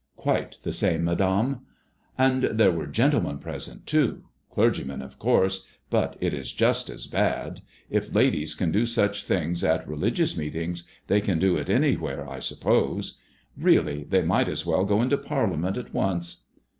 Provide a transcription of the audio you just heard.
Quite the same, Madame/* "And there were gentlemen present, too — clergymen, of course — but it is just as bad. If ladies t 40 MADBMOISBLLB IX£. can do such things at religious meetings, they can do it any« where, I suppose. Really they might as well go into Parliament at once."